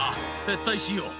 撤退しよう」。